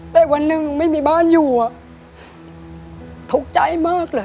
แต่วันหนึ่งไม่มีบ้านอยู่ทุกข์ใจมากเหรอ